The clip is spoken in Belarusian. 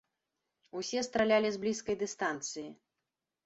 Усе стралялі з блізкай дыстанцыі.